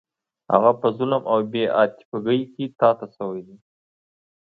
هغه په ظلم او بې عاطفګۍ کې تا ته شوی و.